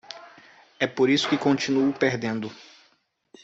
É por isso que continuo perdendo.